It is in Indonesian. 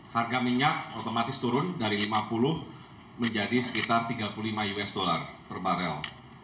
harga minyak otomatis turun dari lima puluh menjadi sekitar tiga puluh lima usd per barel